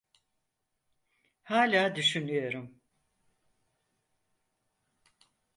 Hâlâ düşünüyorum.